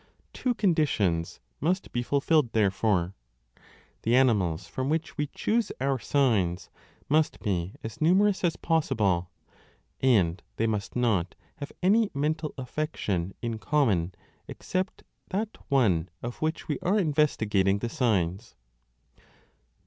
Two conditions must be ful filled, therefore : the animals from which we choose our 5 signs must be as numerous as possible, and they must not have any mental affection in common except that one of which we are investigating the signs.